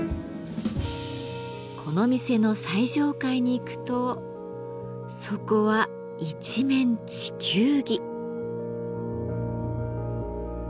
この店の最上階に行くとそこは一面地球儀。